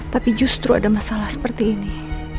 tapi justru ada masalah seperti ini